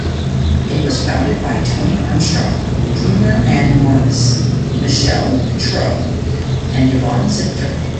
It was founded by Toni Armstrong Junior Ann Morris, Michele Gautreaux, and Yvonne Zipter.